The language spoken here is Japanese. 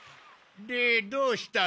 でどうした？